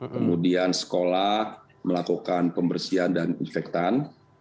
kemudian sekolah melakukan pembersihan dan infektan